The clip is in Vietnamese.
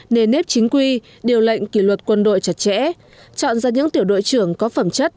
nền nếp chính quy điều lệnh kỷ luật quân đội chặt chẽ chọn ra những tiểu đội trưởng có phẩm chất